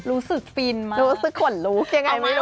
รู้สึกฟินมากรู้สึกขนลุกยังไงไม่รู้